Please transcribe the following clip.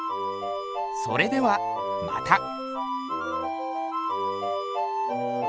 それではまた。